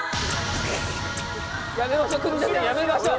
やめましょう国崎さんやめましょう。